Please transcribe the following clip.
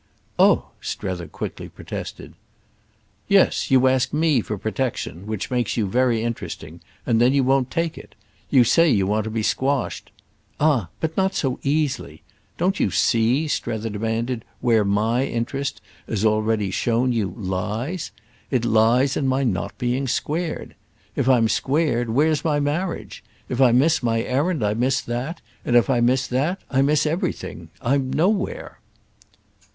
"Oh!" Strether quickly protested. "Yes, you ask me for protection—which makes you very interesting; and then you won't take it. You say you want to be squashed—" "Ah but not so easily! Don't you see," Strether demanded "where my interest, as already shown you, lies? It lies in my not being squared. If I'm squared where's my marriage? If I miss my errand I miss that; and if I miss that I miss everything—I'm nowhere."